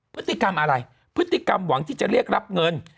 พฤติกรรมอะไรพฤติกรรมหวังที่จะเรียกรับเงิน